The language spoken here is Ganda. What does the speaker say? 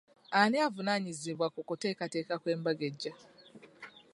Ani avunaanyizibwa ku kuteekateeka kw'embaga ejja?